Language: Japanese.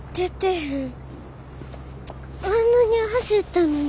あんなに走ったのに。